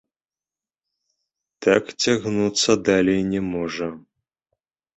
Так цягнуцца далей не можа!